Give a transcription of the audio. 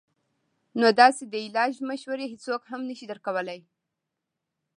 نو داسې د علاج مشورې هيڅوک هم نشي درکولے -